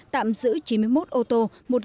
tạm giữ chín mươi một ô tô